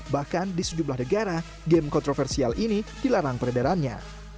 bahkan di sejumlah negara game kontroversial ini dilarang peredarannya